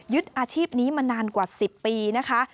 อาชีพนี้มานานกว่า๑๐ปีนะคะ